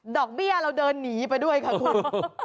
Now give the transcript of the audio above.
เบี้ยเราเดินหนีไปด้วยค่ะคุณ